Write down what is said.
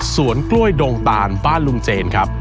สวนกล้วยดงตานบ้านลุงเจนครับ